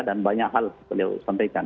banyak hal beliau sampaikan